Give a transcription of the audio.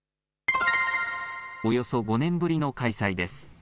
およそ５年ぶりの開催です。